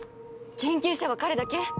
研究者は彼だけ？